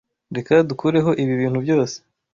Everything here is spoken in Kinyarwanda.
Reka dukureho ibi bintu byose.